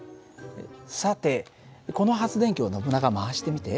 さてこの発電機をノブナガ回してみて。